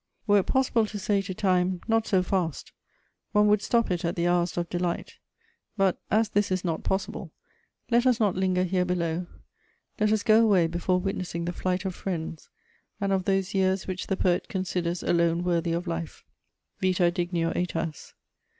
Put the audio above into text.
Were it possible to say to Time, "Not so fast!" one would stop it at the hours of delight; but, as this is not possible, let us not linger here below; let us go away before witnessing the flight of friends and of those years which the poet considers alone worthy of life: _Vitâ dignior ætas.